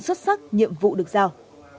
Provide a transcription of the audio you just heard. xuất sắc nhiệm vụ được giao